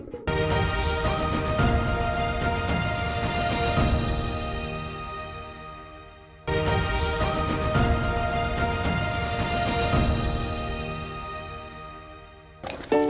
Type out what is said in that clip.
ketika di nangahale di mana mana pun